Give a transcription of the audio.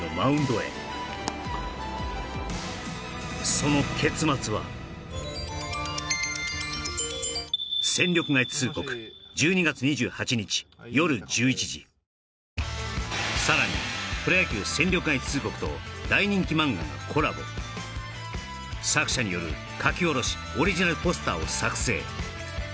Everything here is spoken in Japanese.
その結末はさらに「プロ野球戦力外通告」と大人気マンガがコラボ作者による書き下ろしオリジナルポスターを作成